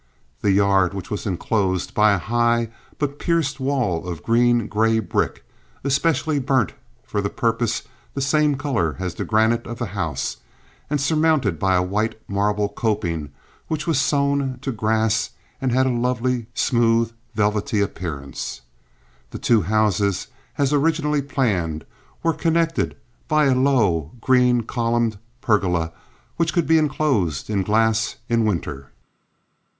The yard which was enclosed by a high but pierced wall of green gray brick, especially burnt for the purpose the same color as the granite of the house, and surmounted by a white marble coping which was sown to grass and had a lovely, smooth, velvety appearance. The two houses, as originally planned, were connected by a low, green columned pergola which could be enclosed in glass in winter.